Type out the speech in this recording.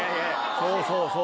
そうそうそうそう！